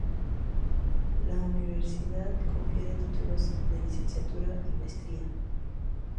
La universidad confiere títulos de licenciatura y maestría.